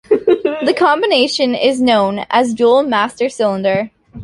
The combination is known as a dual master cylinder.